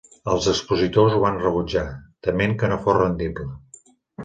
Els expositors ho van rebutjar, tement que no fos rendible.